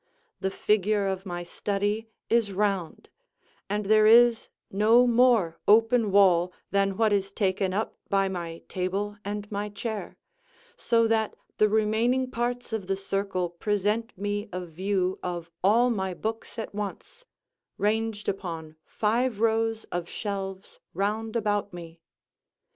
The figure of my study is round, and there is no more open wall than what is taken up by my table and my chair, so that the remaining parts of the circle present me a view of all my books at once, ranged upon five rows of shelves round about me.